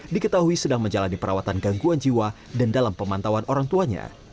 diketahui sedang menjalani perawatan gangguan jiwa dan dalam pemantauan orang tuanya